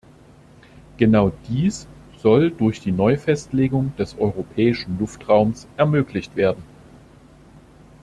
Genau dies soll durch die Neufestlegung des europäischen Luftraums ermöglicht werden.